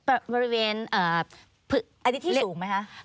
อันนี้ที่สูงไหมคะ